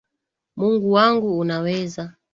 Mungu wangu unaweza